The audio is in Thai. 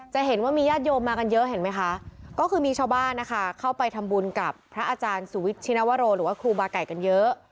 จะเห็นว่ามีญาติโยมมากันเยอะเห็นไหมคะก็คือมีชาวบ้านนะคะเข้าไปทำบุญกับพระอาจารย์สุวิทยชินวโรหรือว่าครูบาไก่กันเยอะ